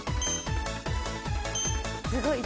すごい。